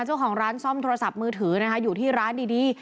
เจ้าของร้านซ่อมโทรศัพท์มือถือนะคะอยู่ที่ร้านดี